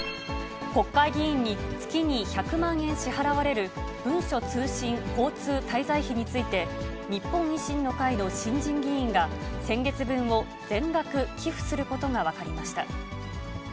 国会議員に月に１００万円支払われる文書通信交通滞在費について、日本維新の会の新人議員が、先月分を全額寄付することが分かりました。